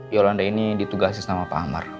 yolanda ini ditugasi sama pak amar